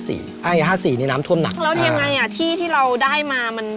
แล้วยังไงที่ที่เราได้มามันจะศูนย์เปล่าไหม